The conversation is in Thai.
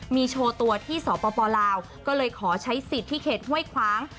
มีโชว์ตัวที่สปลาวก็เลยขอใช้สิทธิ์ที่เขตห้วยขวาง